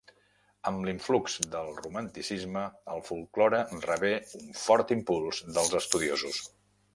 Amb l’influx del romanticisme, el folklore rebé un fort impuls dels estudiosos.